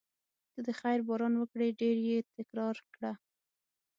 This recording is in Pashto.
ته د خیر باران وکړې ډېر یې تکرار کړه.